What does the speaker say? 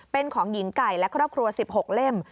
เป็นของหญิงไก่และครอบครัว๑๖เล่ม